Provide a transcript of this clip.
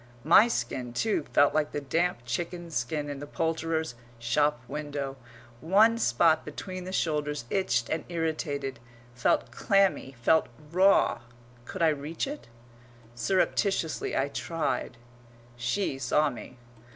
My skin, too, felt like the damp chicken's skin in the poulterer's shop window; one spot between the shoulders itched and irritated, felt clammy, felt raw. Could I reach it? Surreptitiously I tried. She saw me.